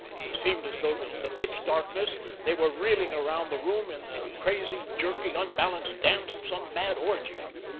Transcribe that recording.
It seemed as though in the pitch blackness they were reeling around the room in the crazy, jerky, unbalanced dance of some mad orgy!